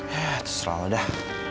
ya terserahlah dah